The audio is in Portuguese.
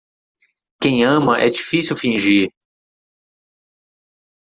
Quem ama é difícil fingir.